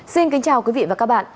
xin kính chào quý vị và các bạn